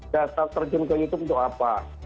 data terjun ke youtube untuk apa